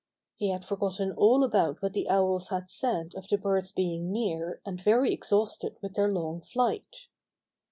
He had forgotten all about what the Owls had said of the birds being near and very exhausted with their long flight.